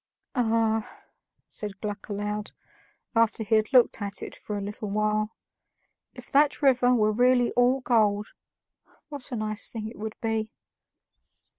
"Ah!" said Gluck aloud, after he had looked at it for a little while, "if that river were really all gold, what a nice thing it would be."